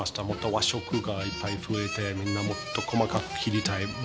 もっと和食がいっぱい増えてみんなもっと細かく切りたい。